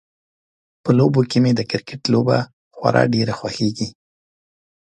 په لوبو کې مې د کرکټ لوبه خورا ډیره خوښیږي